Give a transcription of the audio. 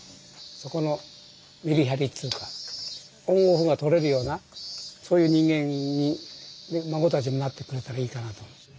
そこのメリハリっつうかオンオフが取れるようなそういう人間に孫たちもなってくれたらいいかなと。